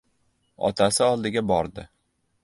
Otasi oldiga bordi.